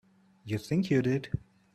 You think you did.